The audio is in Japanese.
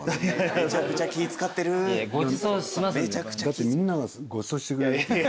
だってみんながごちそうしてくれる。